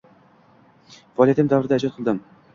Faoliyatim davomida ijod qildim